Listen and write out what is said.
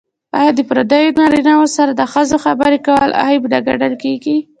آیا د پردیو نارینه وو سره د ښځو خبرې کول عیب نه ګڼل کیږي؟